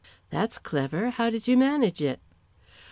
"That's clever. How did you manage it?"